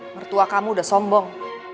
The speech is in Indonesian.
mertua kamu udah sombong